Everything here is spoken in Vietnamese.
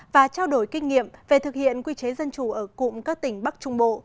và trao đổi kinh nghiệm về thực hiện quy chế dân chủ ở cụm các tỉnh bắc trung bộ